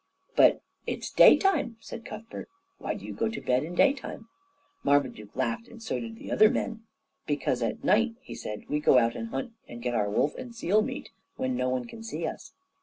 "But it's day time," said Cuthbert. "Why do you go to bed in day time?" Marmaduke laughed, and so did all the other men. "Because at night," he said, "we go out and hunt to get our wolf and seal meat, when no one can see us."